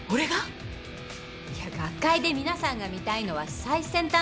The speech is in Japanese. いや学会で皆さんが見たいのは最先端オペですよ。